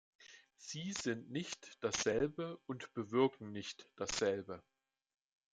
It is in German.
Sie sind nicht dasselbe und bewirken nicht dasselbe.